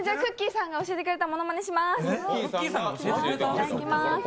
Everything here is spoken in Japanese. さんが教えてくれたものまねします。